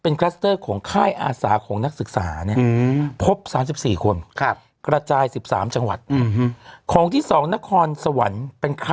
นะฮะ๓๙คน